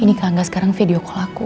ini kak angga sekarang video call aku